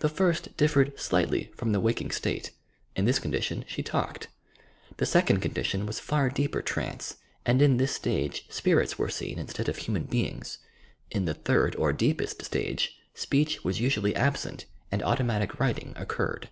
The first differed slightly from the waking state. In this con dition she talked. The second condition was far deeper trance and in this stage spirits were seeu instead of human beings. In the third or deepest stage speech was usually absent and Automatic Writing occurred.